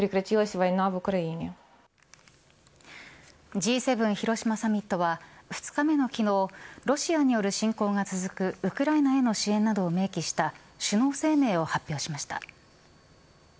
Ｇ７広島サミットは２日目の昨日ロシアによる侵攻が続くウクライナへの支援などを明記した首脳声明を発表しました。